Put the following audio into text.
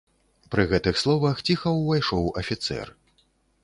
Пры гэтых словах ціха ўвайшоў афіцэр.